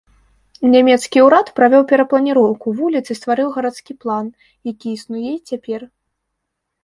Нямецкі ўрад правёў перапланіроўку вуліц і стварыў гарадскі план, які існуе і цяпер.